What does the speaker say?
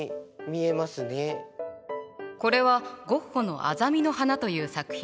これはゴッホの「アザミの花」という作品。